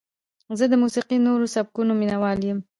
زه د موسیقۍ د نوو سبکونو مینهوال یم.